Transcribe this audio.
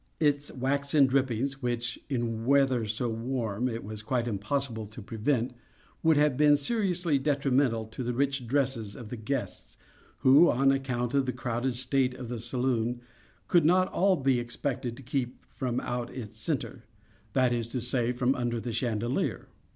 Its waxen drippings (which, in weather so warm, it was quite impossible to prevent) would have been seriously detrimental to the rich dresses of the guests, who, on account of the crowded state of the saloon, could not all be expected to keep from out its centre; that is to say, from under the chandelier.